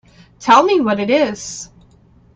Tell me what it is.